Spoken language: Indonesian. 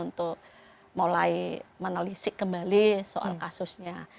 untuk mulai menelisik kembali soal kasusnya